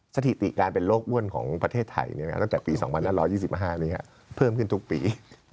สถิติการเป็นโรคอ้วนของประเทศไทยตั้งแต่ปี๒๕๒๕นี้เพิ่มขึ้นทุกปี